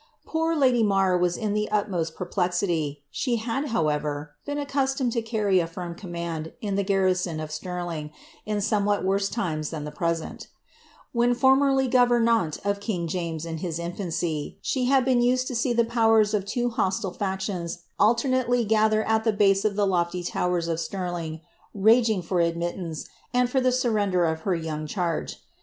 Poor lady Marr was in the utmost perplexity ; she had, however, been accustomed to carry a firm command in the garrison of Stirling, in somewhat worse times than the present When formerly governante of king James in his infancy, she had been used to see the powers of two hostile factions alternately gather at the base of the lof^y towers of Stirling, raging for admittance, and for the surrender of her young charge.